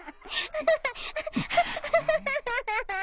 アハハアハハハ。